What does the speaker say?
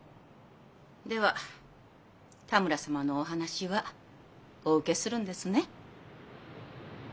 では多村様のお話はお受けするんですね？